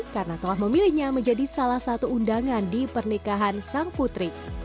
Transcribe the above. karena telah memilihnya menjadi salah satu undangan di pernikahan sang putri